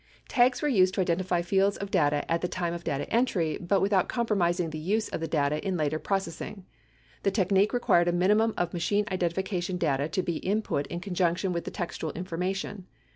Tags were used to identify fields of data at the time of data entry but without compromising the use of the data in later processing. The technique required a minim vim of machine identification data to be input in conjunction with the textual information.